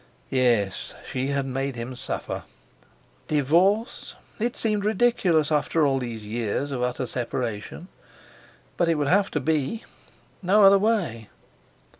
Yes, she had made him suffer! Divorce! It seemed ridiculous, after all these years of utter separation! But it would have to be. No other way!